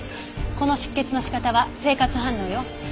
この出血の仕方は生活反応よ。